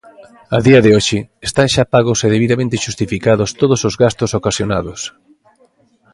A día de hoxe, están xa pagos e debidamente xustificados todos os gastos ocasionados.